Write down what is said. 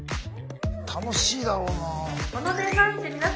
楽しいだろうなぁ。